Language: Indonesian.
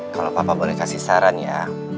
kalau papa boleh kasih saran ya